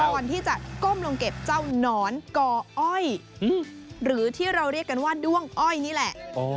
ก่อนที่จะก้มลงเก็บเจ้านอนก่ออ้อยหรือที่เราเรียกกันว่าด้วงอ้อยนี่แหละ